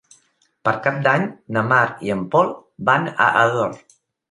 Per Cap d'Any na Mar i en Pol van a Ador.